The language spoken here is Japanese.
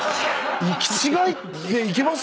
行き違いでいけます？